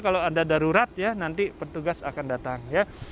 kalau ada darurat nanti petugas akan datang